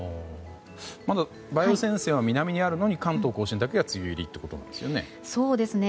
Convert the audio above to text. まだ梅雨前線は南にあるのに関東・甲信だけが梅雨入りということなんですね。